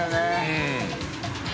うん。